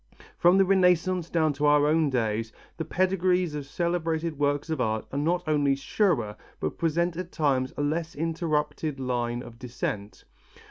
From the Renaissance down to our own days the pedigrees of celebrated works of art are not only surer, but present at times a less interrupted line of descent.